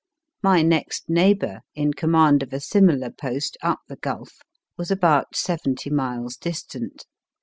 My next neighbour, in command of a similar post up the gulf, was about seventy miles distant.